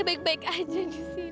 ibu baik baik aja di sini